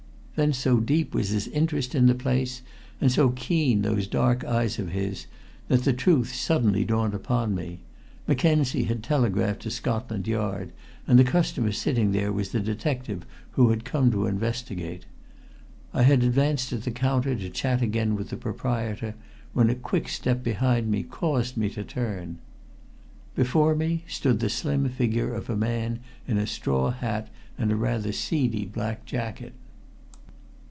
Then so deep was his interest in the place, and so keen those dark eyes of his, that the truth suddenly dawned upon me. Mackenzie had telegraphed to Scotland Yard, and the customer sitting there was a detective who had come to investigate. I had advanced to the counter to chat again with the proprietor, when a quick step behind me caused me to turn. Before me stood the slim figure of a man in a straw hat and rather seedy black jacket.